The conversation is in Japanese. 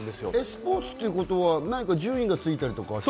スポーツということは順位がついたり？